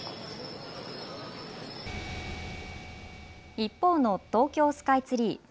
一方の東京スカイツリー。